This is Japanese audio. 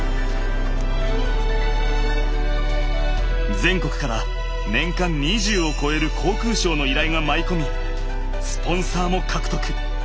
全国から年間２０を超える航空ショーの依頼が舞い込みスポンサーも獲得。